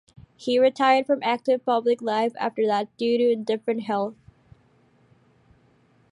He retired from active public life after that due to indifferent health.